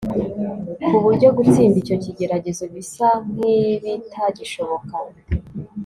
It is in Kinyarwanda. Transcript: ku buryo gutsinda icyo kigeragezo bisa nkibitagishoboka